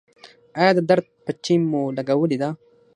ایا د درد پټۍ مو لګولې ده؟